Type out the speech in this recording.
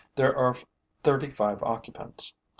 There are thirty five occupants.